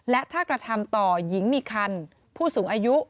และถ้ากระทำต่อหญิงมีคันผู้สูงอายุ